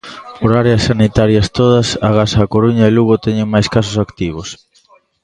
Por áreas sanitarias todas, agás a Coruña e Lugo teñen máis casos activos.